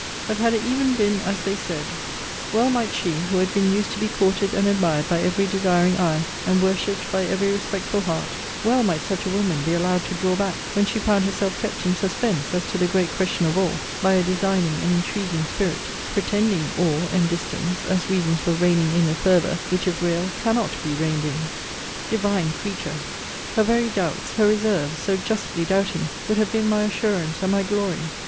But had it even been as they said; well might she, who had been used to be courted and admired by every desiring eye, and worshipped by every respectful heart well might such a woman be allowed to draw back, when she found herself kept in suspense, as to the great question of all, by a designing and intriguing spirit; pretending awe and distance, as reasons for reining in a fervour, which, if real, cannot be reined in Divine creature! Her very doubts, her reserves, (so justly doubting,) would have been my assurance, and my glory!